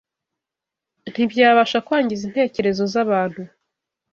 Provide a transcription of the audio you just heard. ntibyabasha kwangiza intekerezo z’abantu. …